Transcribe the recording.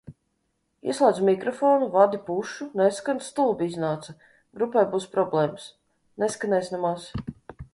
Ieslēdzu mikrofonu, vadi pušu, neskan, stulbi iznāca. Grupai būs problēmas. Neskanēs nemaz.